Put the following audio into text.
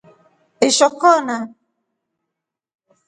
Ishoo kona.